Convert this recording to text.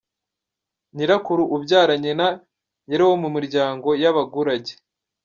Nyirakuru ubyara nyina yari uwo mu miryango y’abagurage.